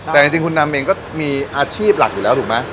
แต่จริงคุณนำเองก็มีอาชีพหลักอยู่แล้วถูกไหม